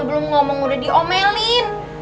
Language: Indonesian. belum ngomong udah diomelin